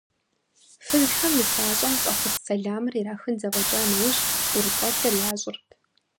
Фызхэм нысащӀэм фӀэхъус-сэламыр ирахын зэфӀэкӀа нэужь, ӀурыцӀэлъыр ящӀырт.